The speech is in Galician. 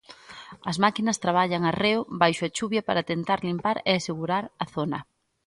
As máquinas traballan arreo baixo a chuvia para tentar limpar e asegurar a zona.